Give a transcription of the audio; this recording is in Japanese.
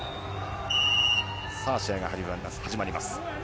さあ、試合が始まります。